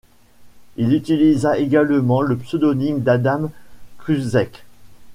Il utilisa également le pseudonyme d'Adam Kruczek.